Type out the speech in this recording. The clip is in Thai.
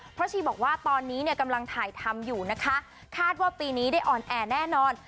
ชีบอกว่าตอนนี้เนี่ยกำลังถ่ายทำอยู่นะคะคาดว่าปีนี้ได้อ่อนแอแน่นอน